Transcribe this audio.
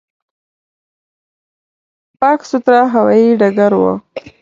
پاک، سوتره هوایي ډګر و.